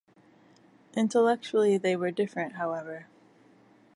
Intellectually they were very different, however.